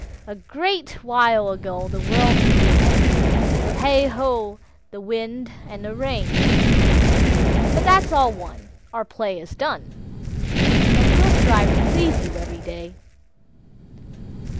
A great while ago the world begun, With hey, ho, the wind and the rain, But that's all one, our play is done, And we'll strive to please you every day.